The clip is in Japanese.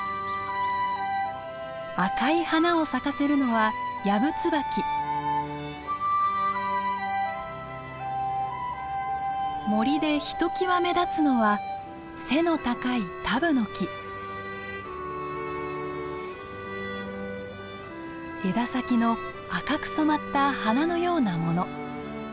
赤い花を咲かせるのは森でひときわ目立つのは背の高い枝先の赤く染まった花のようなもの。